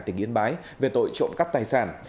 tỉnh yên bái về tội trộn cắp tài sản